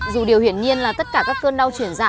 dù điều hiển nhiên là tất cả các cơn đau chuyển dạ